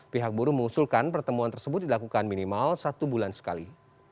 pihak buruh mengusulkan pertemuan tersebut dilakukan minimal satu bulan sekali